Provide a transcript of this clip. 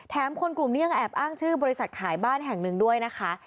คนกลุ่มนี้ยังแอบอ้างชื่อบริษัทขายบ้านแห่งหนึ่งด้วยนะคะ